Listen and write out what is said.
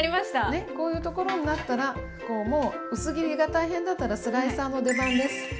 ねっこういうこところになったらもう薄切りが大変だったらスライサーの出番です。